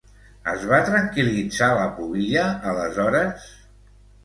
Es va tranquil·litzar la pubilla, aleshores?